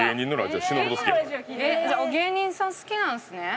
じゃあ芸人さん好きなんですね。